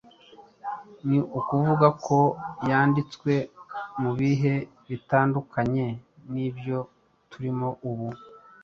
Ni ukuvuga ko yanditswe mu bihe bitandukanye n‟ibyo turimo ubu